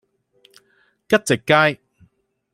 吉席街